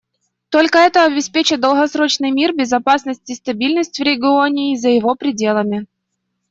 Только это обеспечит долгосрочный мир, безопасность и стабильность в регионе и за его пределами.